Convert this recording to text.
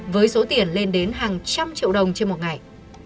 với số tiền lên đến hàng trăm triệu đồng trên một ngày